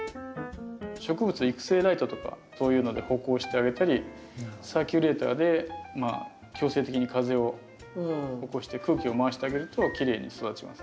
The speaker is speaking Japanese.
植物育成ライトとかそういうので補光してあげたりサーキュレーターで強制的に風を起こして空気を回してあげるときれいに育ちますね。